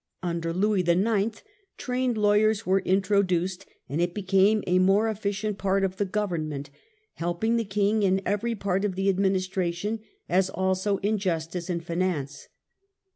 Under Louis IX. trained lavryers were introduced, and it became a more efficient part of the government, helping the King in every part of the administration, as also in justice and finance.